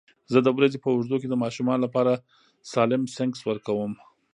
زه د ورځې په اوږدو کې د ماشومانو لپاره سالم سنکس ورکوم.